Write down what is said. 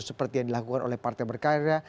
seperti yang dilakukan oleh partai berkarya